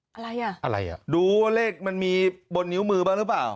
อะไรอ่ะอะไรอ่ะดูว่าเลขมันมีบนนิ้วมือบ้างหรือเปล่า